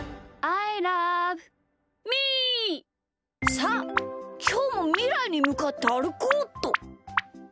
さあきょうもみらいにむかってあるこうっと。